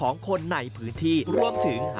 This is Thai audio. ซึ่งเป็นประเพณีที่มีหนึ่งเดียวในประเทศไทยและหนึ่งเดียวในโลก